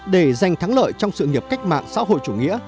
để giành thắng lợi trong sự nghiệp cách mạng xã hội chủ nghĩa